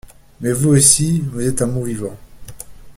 Mais vous aussi, vous êtes un bon vivant.